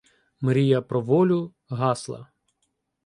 Мрія про волю гасла.